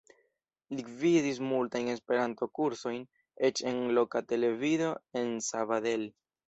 Li gvidis multajn Esperanto-kursojn, eĉ en loka televido en Sabadell.